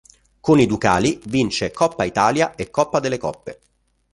Con i ducali vince Coppa Italia e Coppa delle Coppe.